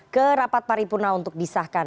ke rapat paripurna untuk disahkan